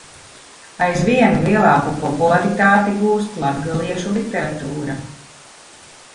Aizvien lielāku popularitāti gūst latgaliešu literatūra.